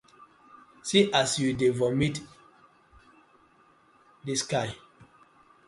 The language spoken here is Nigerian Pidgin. See as yu dey vomit dey kdis.